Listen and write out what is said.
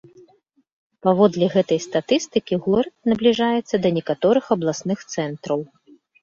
Паводле гэтай статыстыкі горад набліжаецца да некаторых абласных цэнтраў.